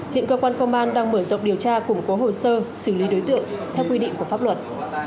hiện cơ quan công an đang mở rộng điều tra củng cố hồ sơ xử lý đối tượng theo quy định của pháp luật